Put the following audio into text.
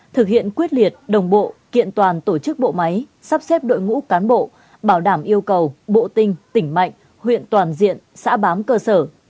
thực hiện quyết liệt đồng bộ kiện toàn tổ chức bộ máy sắp xếp đội ngũ cán bộ bảo đảm yêu cầu bộ tinh tỉnh mạnh huyện toàn diện xã bám cơ sở